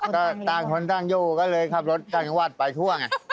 ก็ต่างคนต่างอยู่ก็เลยขับรถต่างจังหวัดไปทั่วไง